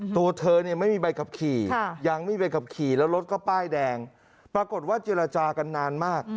ตัวเธอเนี่ยไม่มีใบขับขี่ยังไม่มีใบขับขี่แล้วรถก็ป้ายแดงปรากฏว่าเจรจากันนานมาก